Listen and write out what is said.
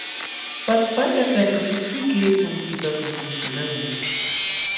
Pakpaka kaćhuqśhuptiyki punkipakuqlunkimanmi.